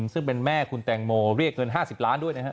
ซึ่งเป็นแม่คุณแตงโมเรียกเงิน๕๐ล้านด้วยนะครับ